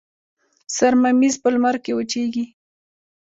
سر ممیز په لمر کې وچیږي.